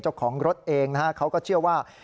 เจ้าของรถเองนะฮะเขาก็เชื่อว่า